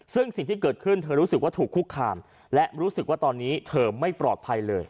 ซึ่งสิ่งที่เกิดขึ้นเธอรู้สึกว่าถูกคุกคามและรู้สึกว่าตอนนี้เธอไม่ปลอดภัยเลย